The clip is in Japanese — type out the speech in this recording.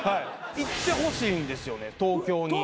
行ってほしいんですよね東京に。